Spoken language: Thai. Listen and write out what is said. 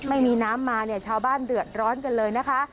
ไม่มีน้ำมาเนี่ยชาวบ้านเดือดร้อนกันเลยนะคะ